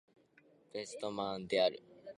ヴェストマンランド県の県都はヴェステロースである